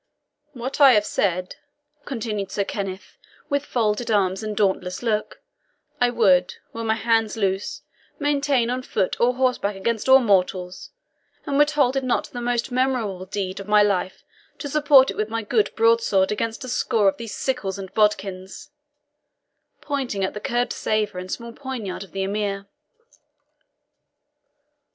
"What I have said," continued Sir Kenneth, with folded arms and dauntless look, "I would, were my hands loose, maintain on foot or horseback against all mortals; and would hold it not the most memorable deed of my life to support it with my good broadsword against a score of these sickles and bodkins," pointing at the curved sabre and small poniard of the Emir.